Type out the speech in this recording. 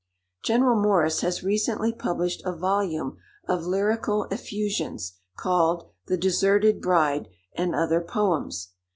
General Morris has recently published a volume of lyrical effusions, called "The Deserted Bride, and other Poems."